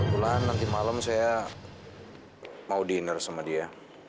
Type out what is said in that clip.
kebetulan nanti malam saya mau dinner sama dia